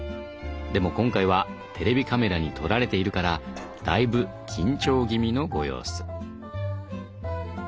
でも今回はテレビカメラに撮られているからだいぶ緊張気味のご様子。